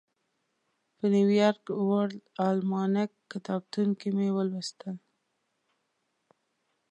په نیویارک ورلډ الماناک کتابتون کې مې ولوستل.